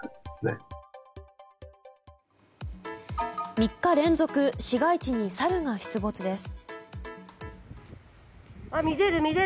３日連続市街地にサルが出没です。